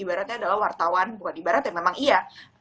ibaratnya adalah wartawan bukan ibarat ya memang iya